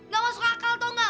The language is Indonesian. gak masuk akal dong gak